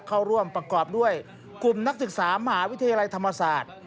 เข้าร่วมประกอบด้วยกลุ่มนักศึกษามหาวิทยาลัยธรรมศาสตร์